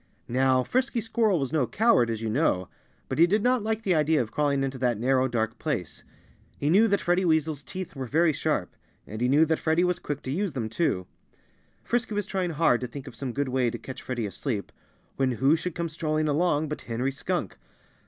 Now, Frisky Squirrel was no coward, as you know. But he did not like the idea of crawling into that narrow, dark place. He knew that Freddie Weasel's teeth were very sharp. And he knew that Freddie was quick to use them, too. Frisky was trying hard to think of some good way to catch Freddie asleep, when who should come strolling along but Henry Skunk!